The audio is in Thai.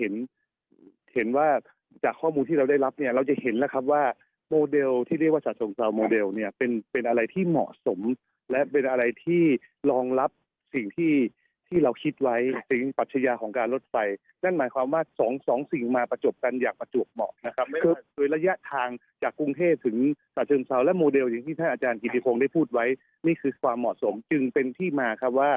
นะครับว่าโมเดลที่เรียกว่าสะชงเสาร์โมเดลเนี่ยเป็นอะไรที่เหมาะสมและเป็นอะไรที่รองรับสิ่งที่เราคิดไว้สิ่งปัจจัยาของการรถไฟนั่นหมายความว่าสองสิ่งมาประจบกันอยากประจวบเหมาะนะครับคือระยะทางจากกรุงเทศถึงสะชงเสาร์และโมเดลอย่างที่ท่านอาจารย์กิตติฟงได้พูดไว้นี่คือความเหมาะสมจึงเป็นที่มาครับว